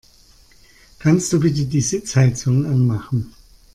Kannst du bitte die Sitzheizung anmachen?